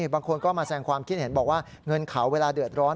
บางคนก็มาแสงความคิดเห็นบอกว่าเงินเขาเวลาเดือดร้อน